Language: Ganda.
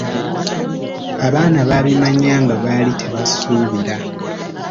Abaana baabimanya nga baali tebakisuubira.